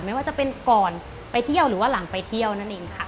ไม่ว่าจะเป็นก่อนไปเที่ยวหรือว่าหลังไปเที่ยวนั่นเองค่ะ